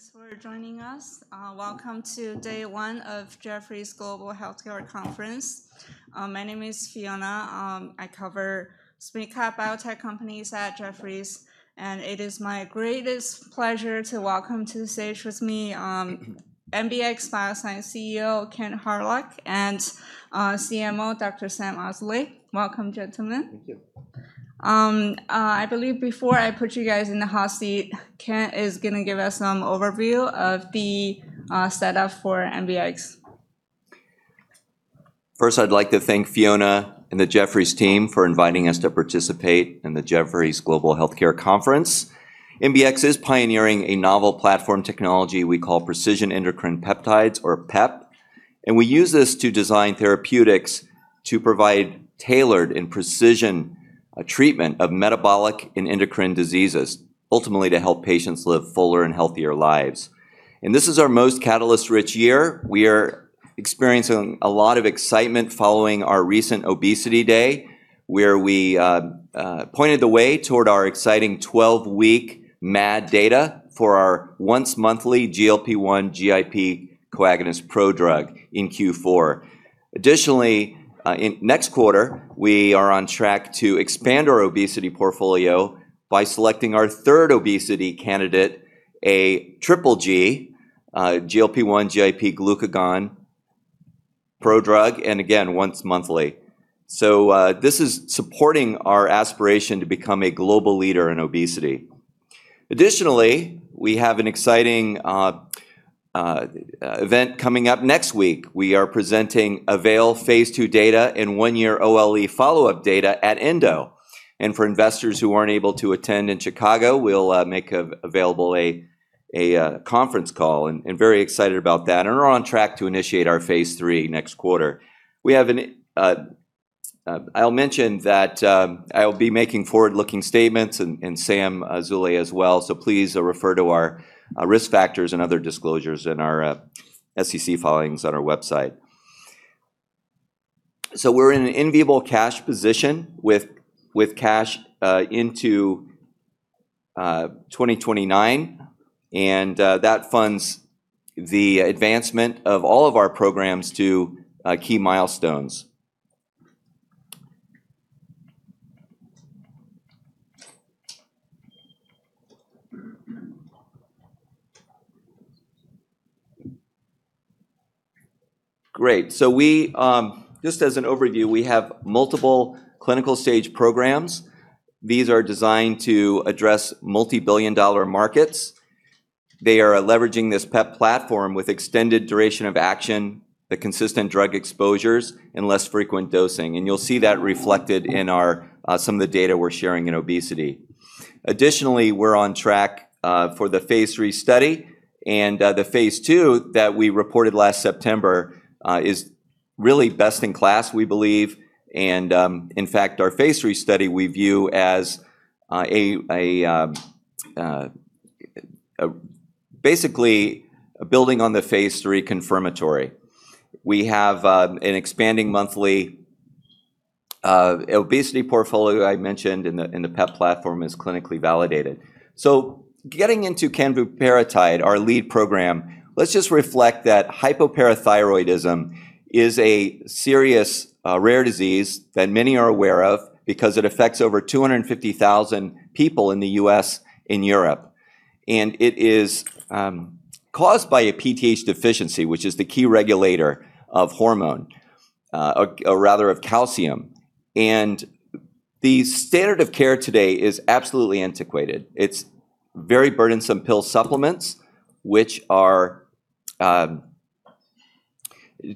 Everyone, thanks for joining us. Welcome to day one of Jefferies Global Healthcare Conference. My name is Fiona. I cover SMID-cap biotech companies at Jefferies, and it is my greatest pleasure to welcome to the stage with me, MBX Biosciences CEO, Kent Hawryluk, and CMO, Dr. Sam Azoulay. Welcome, gentlemen. Thank you. I believe before I put you guys in the hot seat, Kent is going to give us some overview of the setup for MBX. First, I'd like to thank Fiona and the Jefferies team for inviting us to participate in the Jefferies Global Healthcare Conference. MBX is pioneering a novel platform technology we call Precision Endocrine Peptides, or PEP. We use this to design therapeutics to provide tailored and precision treatment of metabolic and endocrine diseases, ultimately to help patients live fuller and healthier lives. This is our most catalyst-rich year. We are experiencing a lot of excitement following our recent obesity day, where we pointed the way toward our exciting 12-week MAD data for our once-monthly GLP-1/GIP agonist prodrug in Q4. Additionally, next quarter, we are on track to expand our obesity portfolio by selecting our third obesity candidate, a Triple G, GLP-1/GIP glucagon prodrug, and again, once monthly. This is supporting our aspiration to become a global leader in obesity. Additionally, we have an exciting event coming up next week. We are presenting AVAIL phase II data and one-year OLE follow-up data at ENDO. For investors who aren't able to attend in Chicago, we'll make available a conference call, and very excited about that. We're on track to initiate our phase III next quarter. I'll mention that I'll be making forward-looking statements, and Sam Azoulay as well, so please refer to our risk factors and other disclosures in our SEC filings on our website. We're in an enviable cash position, with cash into 2029, and that funds the advancement of all of our programs to key milestones. Great. Just as an overview, we have multiple clinical stage programs. These are designed to address multi-billion-dollar markets. They are leveraging this PEP platform with extended duration of action, the consistent drug exposures, and less frequent dosing, you'll see that reflected in some of the data we're sharing in obesity. Additionally, we're on track for the phase III study, the phase II that we reported last September is really best in class, we believe. In fact, our phase III study, we view as basically building on the phase III confirmatory. We have an expanding monthly obesity portfolio, I mentioned, the PEP platform is clinically validated. Getting into canvuparatide, our lead program, let's just reflect that hypoparathyroidism is a serious rare disease that many are aware of because it affects over 250,000 people in the U.S. and Europe. It is caused by a PTH deficiency, which is the key regulator of hormone, or rather, of calcium. The standard of care today is absolutely antiquated. It's very burdensome pill supplements, which are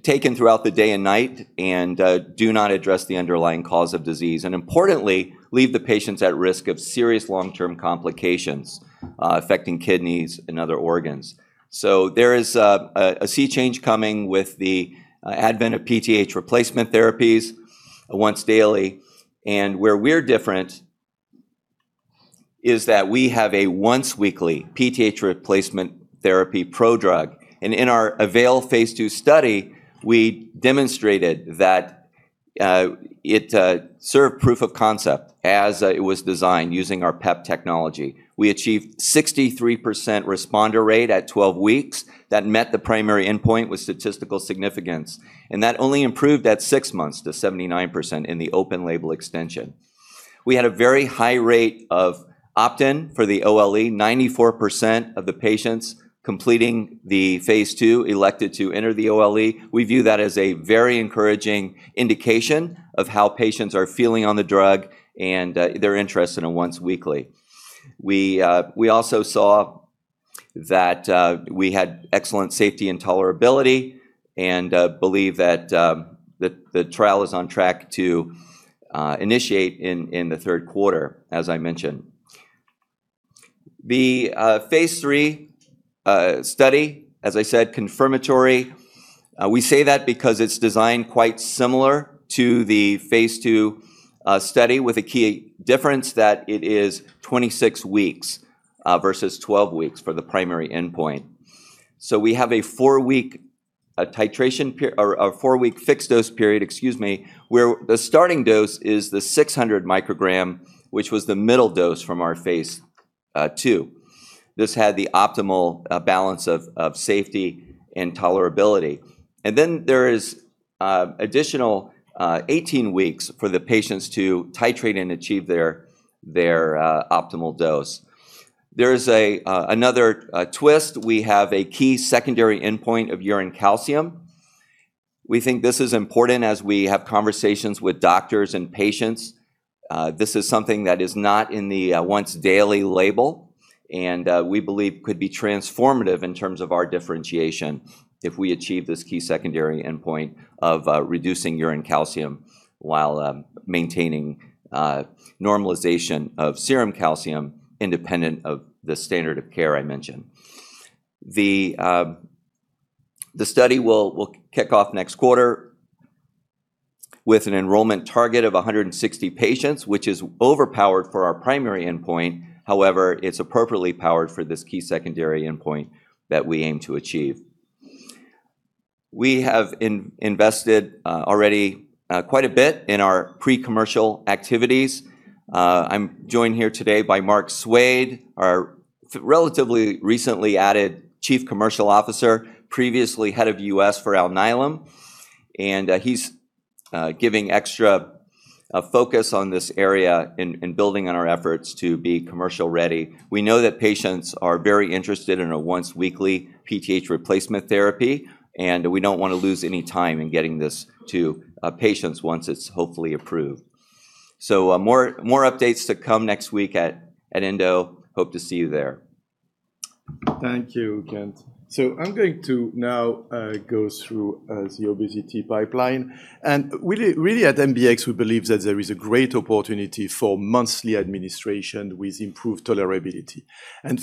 taken throughout the day and night and do not address the underlying cause of disease. Importantly, leave the patients at risk of serious long-term complications affecting kidneys and other organs. There is a sea change coming with the advent of PTH replacement therapies once daily. Where we're different is that we have a once-weekly PTH replacement therapy prodrug, and in our AVAIL phase II study, we demonstrated that it served proof of concept as it was designed using our PEP technology. We achieved 63% responder rate at 12 weeks. That met the primary endpoint with statistical significance, and that only improved at six months to 79% in the open label extension. We had a very high rate of opt-in for the OLE. 94% of the patients completing the phase II elected to enter the OLE. We view that as a very encouraging indication of how patients are feeling on the drug and their interest in a once weekly. We also saw that we had excellent safety and tolerability and believe that the trial is on track to initiate in the third quarter, as I mentioned. The phase III study, as I said, confirmatory. We say that because it's designed quite similar to the phase II study, with a key difference that it is 26 weeks versus 12 weeks for the primary endpoint. We have a four-week fixed dose period, where the starting dose is the 600 microgram, which was the middle dose from our phase II. This had the optimal balance of safety and tolerability. There is additional 18 weeks for the patients to titrate and achieve their optimal dose. There is another twist. We have a key secondary endpoint of urine calcium. We think this is important as we have conversations with doctors and patients. This is something that is not in the once daily label, and we believe could be transformative in terms of our differentiation if we achieve this key secondary endpoint of reducing urine calcium while maintaining normalization of serum calcium independent of the standard of care I mentioned. The study will kick off next quarter with an enrollment target of 160 patients, which is overpowered for our primary endpoint. It's appropriately powered for this key secondary endpoint that we aim to achieve. We have invested already quite a bit in our pre-commercial activities. I'm joined here today by Mark Soued, our relatively recently added Chief Commercial Officer, previously head of U.S. for Alnylam. He's giving extra focus on this area in building on our efforts to be commercial ready. We know that patients are very interested in a once weekly PTH replacement therapy, and we don't want to lose any time in getting this to patients once it's hopefully approved. More updates to come next week at ENDO. Hope to see you there. Thank you, Kent. I'm going to now go through the obesity pipeline and really at MBX, we believe that there is a great opportunity for monthly administration with improved tolerability.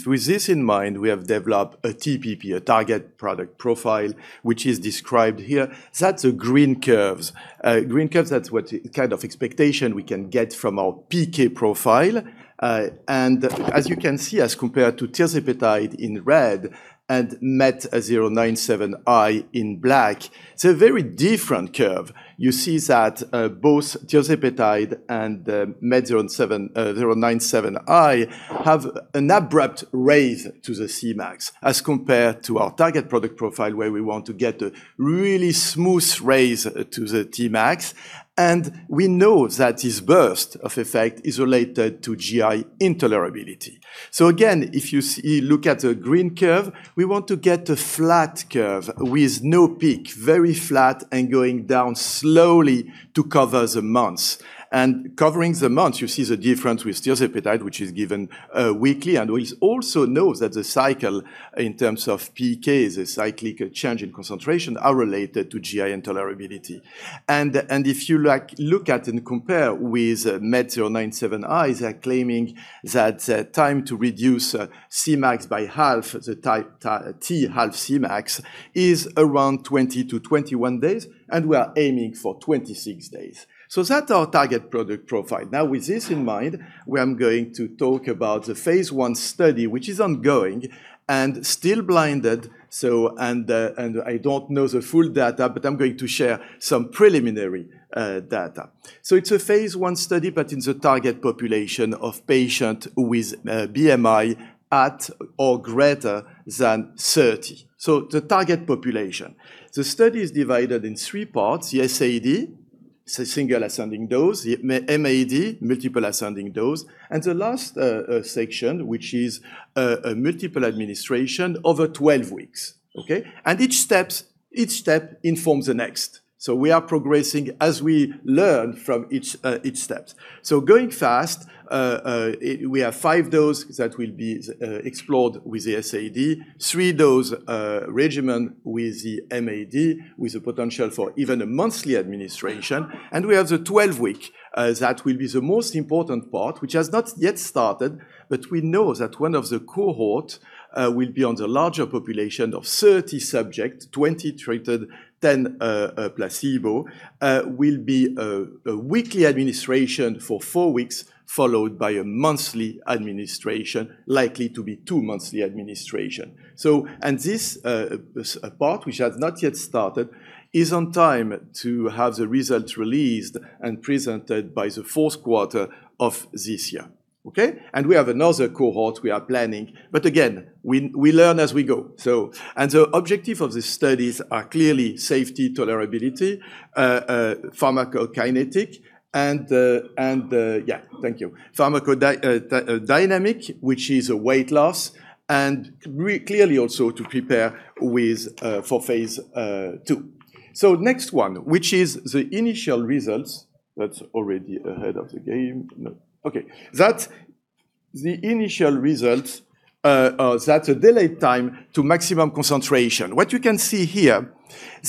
With this in mind, we have developed a TPP, a target product profile, which is described here. That's the green curves. Green curves, that's what kind of expectation we can get from our PK profile. As you can see, as compared to tirzepatide in red and MET-097i in black, it's a very different curve. You see that both tirzepatide and MET-097i have an abrupt raise to the Cmax as compared to our target product profile, where we want to get a really smooth raise to the Tmax, and we know that this burst of effect is related to GI intolerability. Again, if you look at the green curve, we want to get a flat curve with no peak, very flat and going down slowly to cover the months. Covering the months, you see the difference with tirzepatide, which is given weekly. We also know that the cycle in terms of PK, the cyclic change in concentration, are related to GI intolerability. If you look at and compare with MET-097i, they're claiming that time to reduce Cmax by half, the T half Cmax, is around 20-21 days, and we are aiming for 26 days. That's our target product profile. Now, with this in mind, I'm going to talk about the phase I study, which is ongoing and still blinded. I don't know the full data, but I'm going to share some preliminary data. It's a phase I study, but in the target population of patient with BMI at or greater than 30. The target population. The study is divided in three parts, the SAD, single ascending dose, the MAD, multiple ascending dose, and the last section, which is a multiple administration over 12 weeks. Okay. Each step informs the next. We are progressing as we learn from each steps. Going fast, we have five dose that will be explored with the SAD, three dose regimen with the MAD, with the potential for even a monthly administration. We have the 12-week that will be the most important part, which has not yet started, but we know that one of the cohort will be on the larger population of 30 subjects, 20 treated, 10 placebo, will be a weekly administration for four weeks, followed by a monthly administration, likely to be two monthly administration. This part, which has not yet started, is on time to have the results released and presented by the fourth quarter of this year. Okay. We have another cohort we are planning, but again, we learn as we go. The objective of the studies are clearly safety, tolerability, pharmacokinetic, and, thank you. Pharmacodynamic, which is weight loss, and clearly also to prepare for phase II. Next one, which is the initial results. That's already ahead of the game. No. Okay. That's the initial result. That's a delay time to maximum concentration. What you can see here,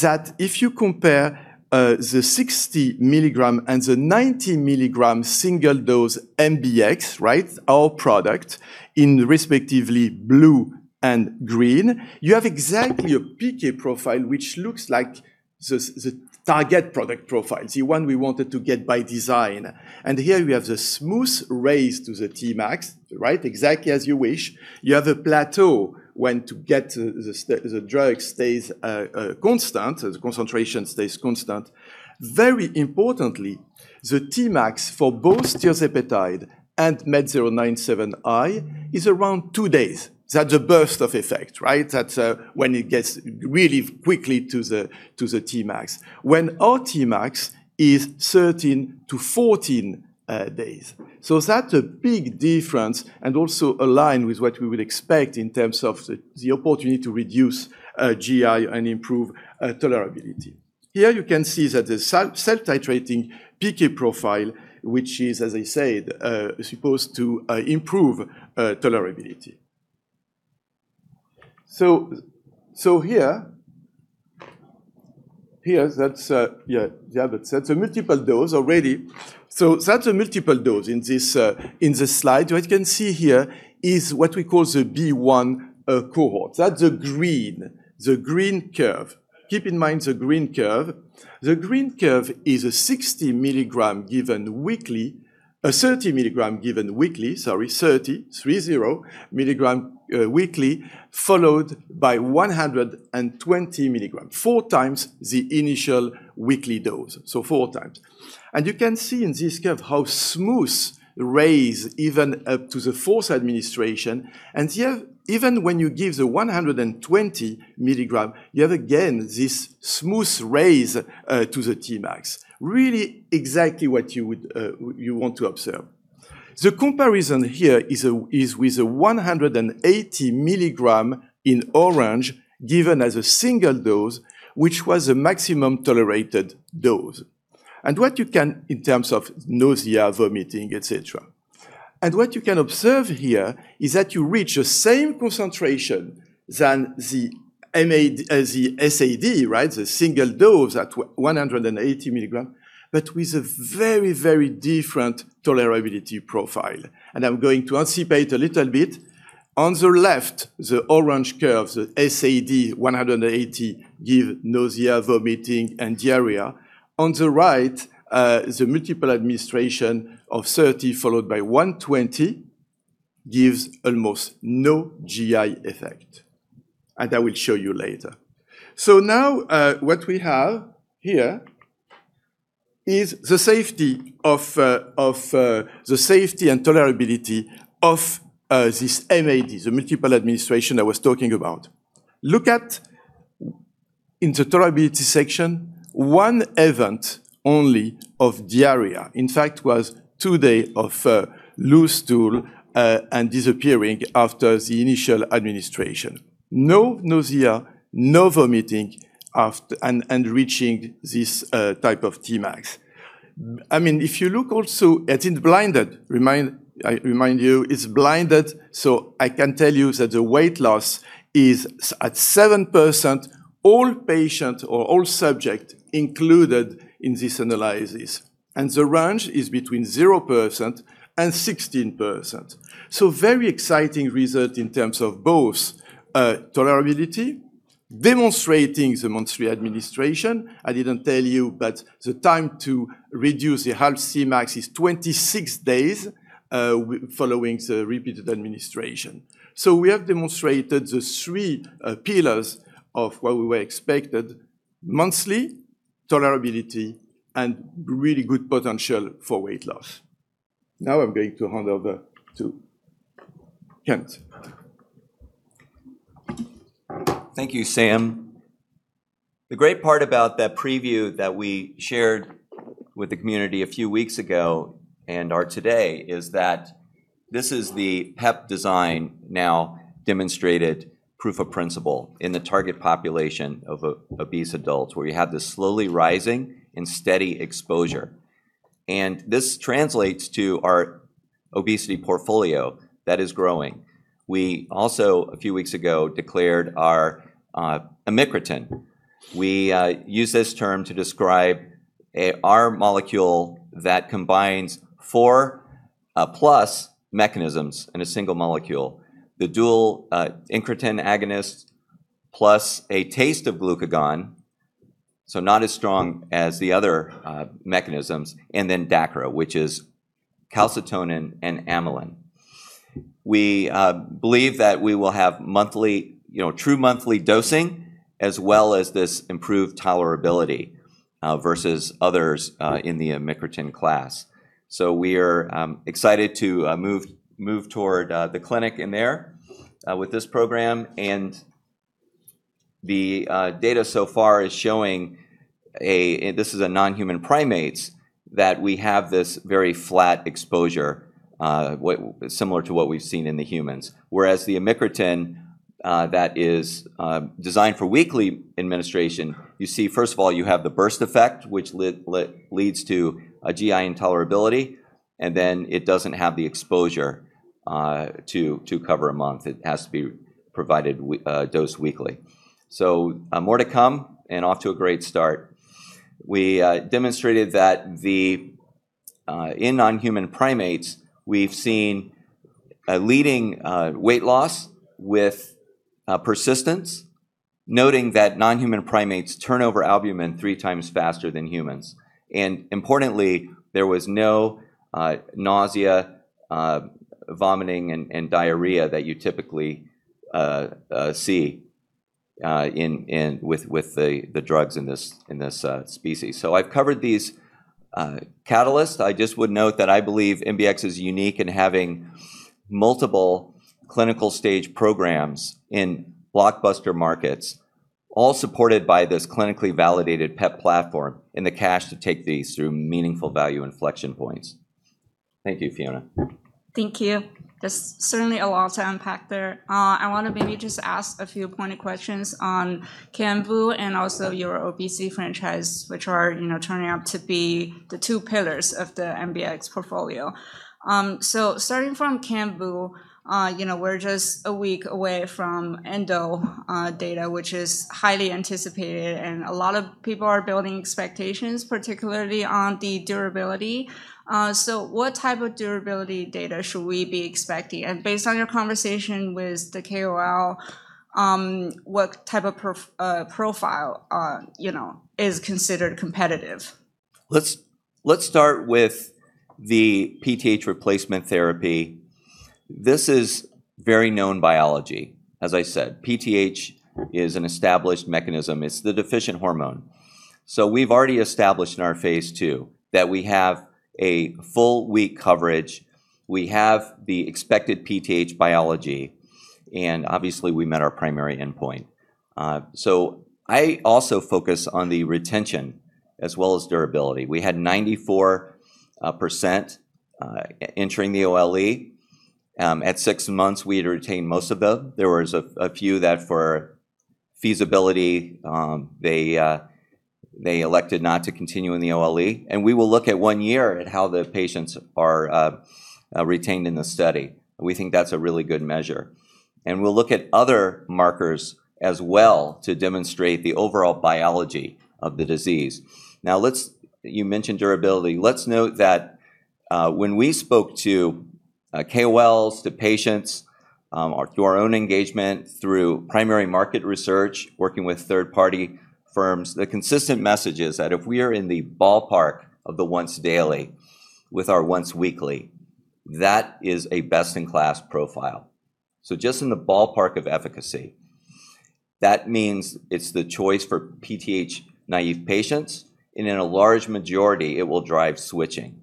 that if you compare the 60 mg and the 90 mg single dose MBX, right, our product in respectively blue and green, you have exactly a PK profile which looks like the target product profile, the one we wanted to get by design. Here we have the smooth raise to the Tmax, right. Exactly as you wish. You have a plateau when the drug stays constant, the concentration stays constant. Very importantly, the Tmax for both tirzepatide and MET-097i is around two days. That's a burst of effect, right. That's when it gets really quickly to the Tmax. Our Tmax is 13-14 days. That's a big difference and also aligned with what we would expect in terms of the opportunity to reduce GI and improve tolerability. Here you can see that the self-titrating PK profile, which is, as I said, supposed to improve tolerability. Here, that is a multiple dose already. That is a multiple dose in this slide. What you can see here is what we call the B1 cohort. That is the green curve. Keep in mind the green curve. The green curve is a 30 mg given weekly. Sorry, 30, three zero, milligram weekly, followed by 120 mg, four times the initial weekly dose. Four times. You can see in this curve how smooth rise even up to the fourth administration. Here, even when you give the 120 mg, you have again, this smooth rise to the Tmax, really exactly what you want to observe. The comparison here is with a 180 mg in orange given as a single dose, which was the maximum tolerated dose. In terms of nausea, vomiting, et cetera. What you can observe here is that you reach the same concentration than the SAD, right? The single dose at 180 mg, but with a very, very different tolerability profile. I'm going to anticipate a little bit. On the left, the orange curve, the SAD 180 mg gives nausea, vomiting, and diarrhea. On the right, the multiple administration of 30 mg followed by 120 mg gives almost no GI effect, and I will show you later. Now, what we have here is the safety and tolerability of this MAD, the multiple administration I was talking about. Look at, in the tolerability section, one event only of diarrhea. In fact, was two days of loose stool, disappearing after the initial administration. No nausea, no vomiting, and reaching this type of Tmax. If you look also, it's blinded. I remind you, it's blinded, so I can tell you that the weight loss is at 7%, all patients or all subject included in this analysis. The range is between 0% and 16%. Very exciting result in terms of both tolerability, demonstrating the monthly administration. I didn't tell you, but the time to reduce the half Cmax is 26 days following the repeated administration. We have demonstrated the three pillars of what we were expected. Monthly tolerability and really good potential for weight loss. Now I'm going to hand over to Kent. Thank you, Sam. The great part about that preview that we shared with the community a few weeks ago and are today is that this is the PEP design now demonstrated proof of principle in the target population of obese adults, where you have this slowly rising and steady exposure. This translates to our obesity portfolio that is growing. We also, a few weeks ago, declared our amycretin. We use this term to describe our molecule that combines four plus mechanisms in a single molecule. The dual incretin agonist plus a taste of glucagon, so not as strong as the other mechanisms, and then DACRA, which is calcitonin and amylin. We believe that we will have true monthly dosing as well as this improved tolerability versus others in the amycretin class. We are excited to move toward the clinic in there with this program, the data so far is showing, this is a non-human primates, that we have this very flat exposure, similar to what we've seen in the humans. Whereas the amycretin that is designed for weekly administration, you see, first of all, you have the burst effect, which leads to a GI intolerability, and then it doesn't have the exposure to cover a month. It has to be dosed weekly. More to come and off to a great start. We demonstrated that in non-human primates, we've seen a leading weight loss with persistence, noting that non-human primates turn over albumin three times faster than humans. Importantly, there was no nausea, vomiting, and diarrhea that you typically see with the drugs in this species. I've covered these catalysts. I just would note that I believe MBX is unique in having multiple clinical stage programs in blockbuster markets, all supported by this clinically validated PEP platform and the cash to take these through meaningful value inflection points. Thank you, Fiona. Thank you. There's certainly a lot to unpack there. I want to maybe just ask a few pointed questions on canvuparatide and also your obesity franchise, which are turning out to be the two pillars of the MBX portfolio. Starting from canvuparatide, we're just a week away from ENDO data, which is highly anticipated, and a lot of people are building expectations, particularly on the durability. What type of durability data should we be expecting? Based on your conversation with the KOL, what type of profile is considered competitive? Let's start with the PTH replacement therapy. This is very known biology. As I said, PTH is an established mechanism. It's the deficient hormone. We've already established in our phase II that we have a full week coverage. We have the expected PTH biology, and obviously we met our primary endpoint. I also focus on the retention as well as durability. We had 94% entering the OLE. At six months, we had retained most of them. There was a few that for feasibility, they elected not to continue in the OLE. We will look at one year at how the patients are retained in the study, and we think that's a really good measure. We'll look at other markers as well to demonstrate the overall biology of the disease. Now, you mentioned durability. Let's note that when we spoke to KOLs, to patients, through our own engagement, through primary market research, working with third-party firms, the consistent message is that if we are in the ballpark of the once daily with our once weekly, that is a best-in-class profile. Just in the ballpark of efficacy. That means it's the choice for PTH-naive patients, and in a large majority, it will drive switching.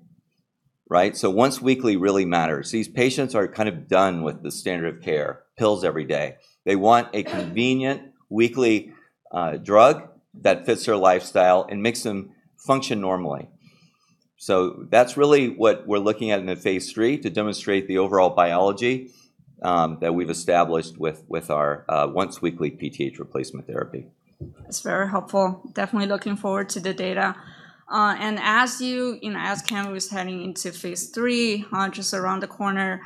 Right? Once weekly really matters. These patients are done with the standard of care, pills every day. They want a convenient weekly drug that fits their lifestyle and makes them function normally. That's really what we're looking at in the phase III to demonstrate the overall biology that we've established with our once-weekly PTH replacement therapy. That's very helpful. Definitely looking forward to the data. As canvuparatide is heading into phase III, just around the corner,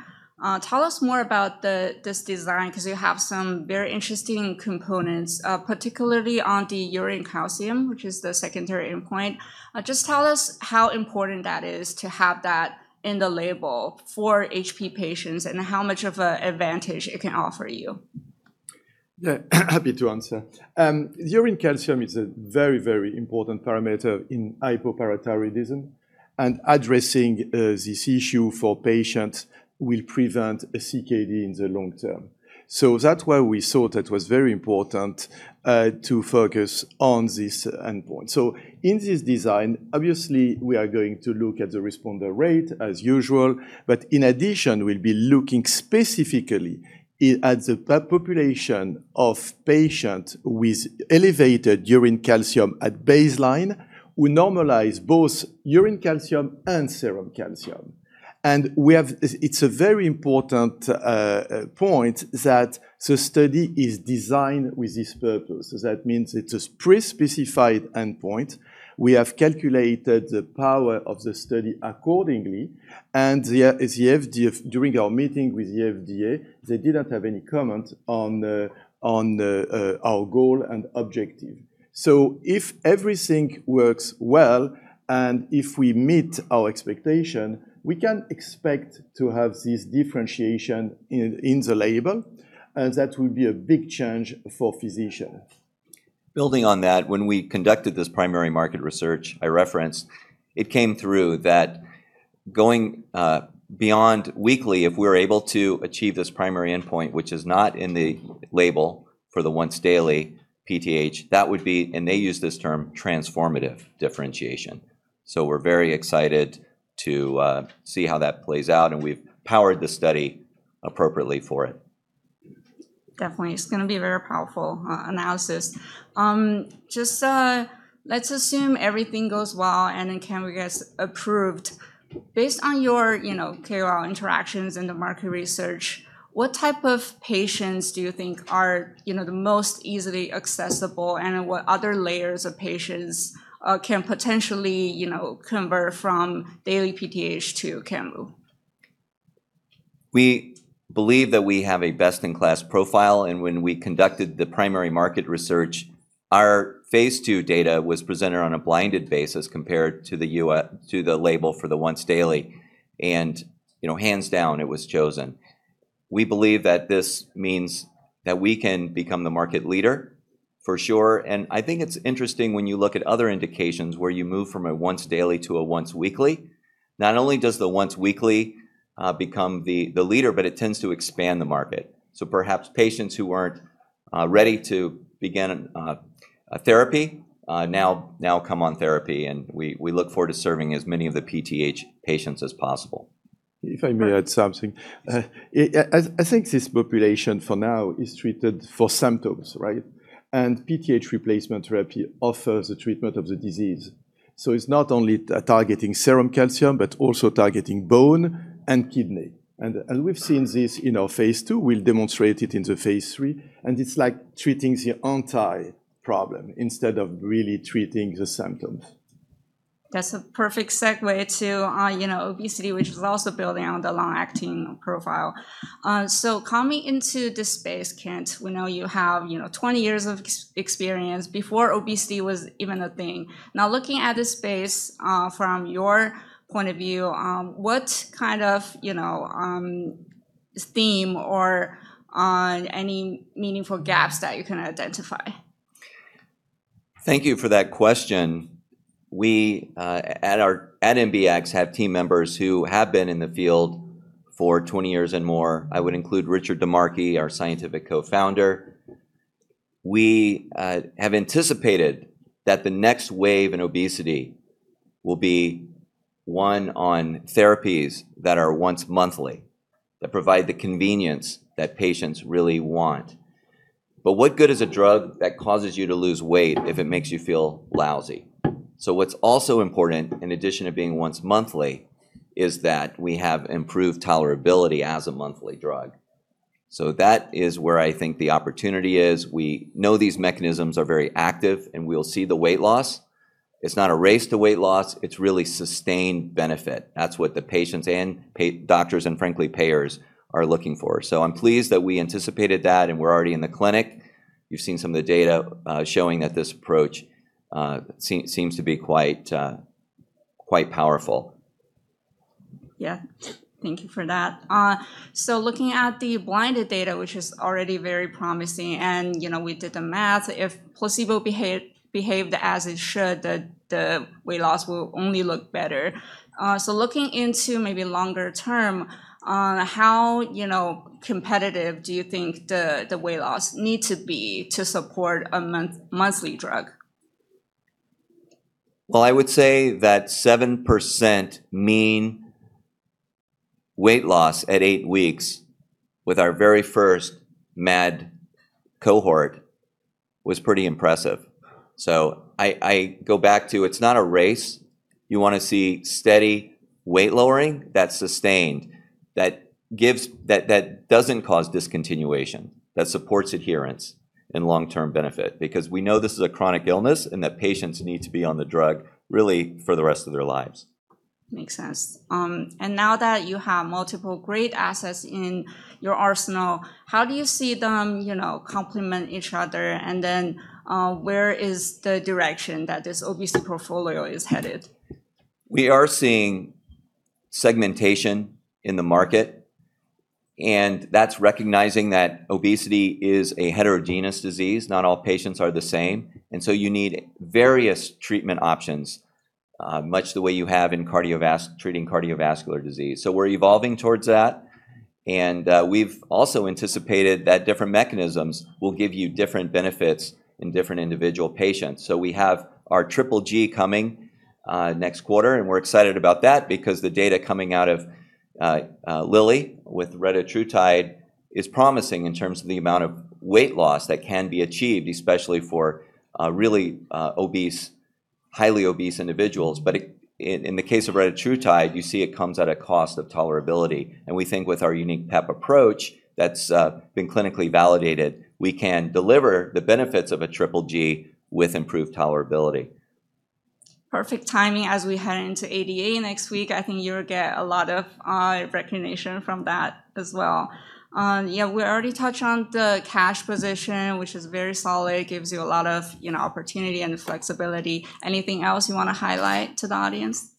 tell us more about this design because you have some very interesting components, particularly on the urine calcium, which is the secondary endpoint. Just tell us how important that is to have that in the label for HP patients and how much of an advantage it can offer you. Happy to answer. Urine calcium is a very, very important parameter in hypoparathyroidism, Addressing this issue for patients will prevent a CKD in the long term. That's why we thought it was very important to focus on this endpoint. In this design, obviously, we are going to look at the responder rate as usual, In addition, we'll be looking specifically at the population of patients with elevated Urine calcium at baseline who normalize both urine calcium and serum calcium. It's a very important point that the study is designed with this purpose. That means it's a pre-specified endpoint. We have calculated the power of the study accordingly, During our meeting with the FDA, they didn't have any comment on our goal and objective. If everything works well and if we meet our expectation, we can expect to have this differentiation in the label. That will be a big change for physicians. Building on that, when we conducted this primary market research I referenced, it came through that going beyond weekly, if we're able to achieve this primary endpoint, which is not in the label for the once daily PTH, that would be, and they use this term, transformative differentiation. We're very excited to see how that plays out, and we've powered the study appropriately for it. Definitely. It's going to be a very powerful analysis. Let's assume everything goes well and then canvuparatide gets approved. Based on your KOL interactions and the market research, what type of patients do you think are the most easily accessible, and what other layers of patients can potentially convert from daily PTH to canvuparatide? We believe that we have a best-in-class profile, and when we conducted the primary market research, our phase II data was presented on a blinded basis compared to the label for the once daily, and hands down, it was chosen. We believe that this means that we can become the market leader for sure. I think it's interesting when you look at other indications where you move from a once daily to a once weekly. Not only does the once weekly become the leader, but it tends to expand the market. Perhaps patients who aren't ready to begin a therapy now come on therapy, and we look forward to serving as many of the PTH patients as possible. If I may add something. Yes. I think this population for now is treated for symptoms. PTH replacement therapy offers the treatment of the disease. It's not only targeting serum calcium, but also targeting bone and kidney. We've seen this in our phase II. We'll demonstrate it in the phase III, and it's like treating the entire problem instead of really treating the symptoms. That's a perfect segue to obesity, which is also building on the long-acting profile. Coming into this space, Kent, we know you have 20 years of experience, before obesity was even a thing. Looking at this space from your point of view, what kind of theme or any meaningful gaps that you can identify? Thank you for that question. We, at MBX, have team members who have been in the field for 20 years and more. I would include Richard DiMarchi, our Scientific Co-Founder. We have anticipated that the next wave in obesity will be one on therapies that are once monthly, that provide the convenience that patients really want. What good is a drug that causes you to lose weight if it makes you feel lousy? What's also important, in addition to being once monthly, is that we have improved tolerability as a monthly drug. That is where I think the opportunity is. We know these mechanisms are very active, and we'll see the weight loss. It's not a race to weight loss. It's really sustained benefit. That's what the patients and doctors, and frankly, payers are looking for. I'm pleased that we anticipated that, and we're already in the clinic. You've seen some of the data showing that this approach seems to be quite powerful. Yeah, thank you for that. Looking at the blinded data, which is already very promising, and we did the math. If placebo behaved as it should, the weight loss will only look better. Looking into maybe longer term, how competitive do you think the weight loss need to be to support a monthly drug? Well, I would say that 7% mean weight loss at eight weeks with our very first MAD cohort was pretty impressive. I go back to it's not a race. You want to see steady weight lowering that's sustained, that doesn't cause discontinuation, that supports adherence and long-term benefit. We know this is a chronic illness and that patients need to be on the drug really for the rest of their lives. Makes sense. Now that you have multiple great assets in your arsenal, how do you see them complement each other, and then where is the direction that this obesity portfolio is headed? We are seeing segmentation in the market. That's recognizing that obesity is a heterogeneous disease. Not all patients are the same. So you need various treatment options, much the way you have in treating cardiovascular disease. We're evolving towards that. We've also anticipated that different mechanisms will give you different benefits in different individual patients. We have our Triple G coming next quarter. We're excited about that because the data coming out of Lilly with retatrutide is promising in terms of the amount of weight loss that can be achieved, especially for really obese, highly obese individuals. In the case of retatrutide, you see it comes at a cost of tolerability. We think with our unique PEP approach that's been clinically validated, we can deliver the benefits of a Triple G with improved tolerability. Perfect timing as we head into ADA next week. I think you'll get a lot of recognition from that as well. We already touched on the cash position, which is very solid, gives you a lot of opportunity and flexibility. Anything else you want to highlight to the audience?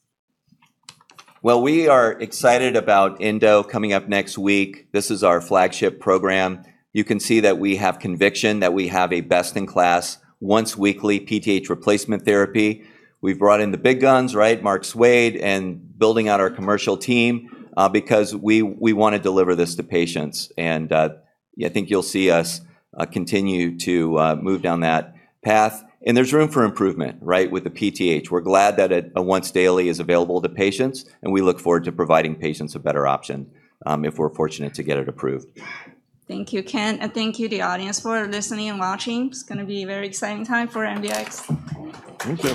Well, we are excited about ENDO coming up next week. This is our flagship program. You can see that we have conviction that we have a best-in-class once weekly PTH replacement therapy. We've brought in the big guns. Mark Soued and building out our commercial team, because we want to deliver this to patients, and I think you'll see us continue to move down that path. There's room for improvement with the PTH. We're glad that a once daily is available to patients, and we look forward to providing patients a better option if we're fortunate to get it approved. Thank you, Kent, and thank you, the audience, for listening and watching. It's going to be a very exciting time for MBX. Thank you.